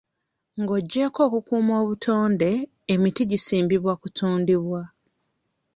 Ng'ogyeko okukuuma obutonde, emiti gisimbibwa kutundibwa.